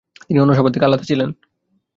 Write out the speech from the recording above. তিনি অন্য সবার থেকে আলাদা ছিলেন।